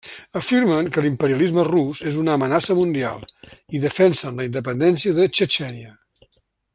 Afirmen que l'imperialisme rus és una amenaça mundial i defensen la independència de Txetxènia.